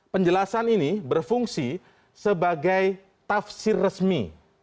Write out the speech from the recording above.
penjelasan ini berfungsi sebagai tafsir resmi